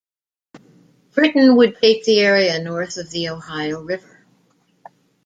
Britain would take the area north of the Ohio River.